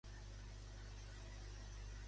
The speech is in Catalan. Em dius com anar al restaurant El Ñaño?